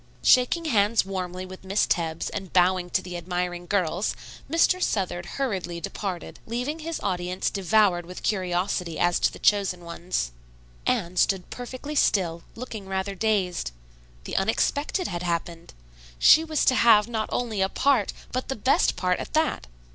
Shaking hands warmly with Miss Tebbs and bowing to the admiring girls, Mr. Southard hurriedly departed, leaving his audience devoured with curiosity as to the chosen ones. Anne stood perfectly still, looking rather dazed. The unexpected had happened. She was to have not only a part, but the best part, at that.